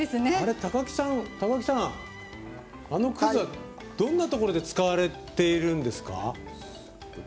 高木さん、あの葛はどんなところで使われているんですか？